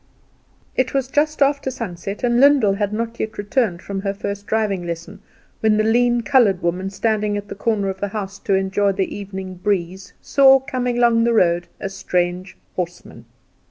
It was just after sunset, and Lyndall had not yet returned from her first driving lesson, when the lean coloured woman standing at the corner of the house to enjoy the evening breeze, saw coming along the road a strange horseman.